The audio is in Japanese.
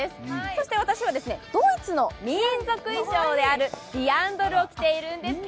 そして私はドイツの民族衣装である、ディアンドルを着ています